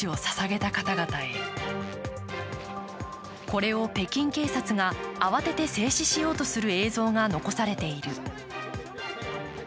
これを北京警察が慌てて制止しようとする映像が残されている。